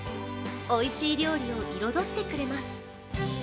おいしい料理を彩ってくれます。